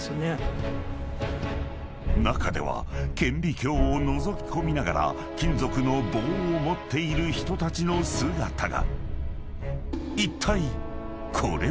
［中では顕微鏡をのぞき込みながら金属の棒を持っている人たちの姿が］